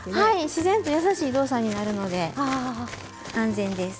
自然とやさしい動作になるので安全です。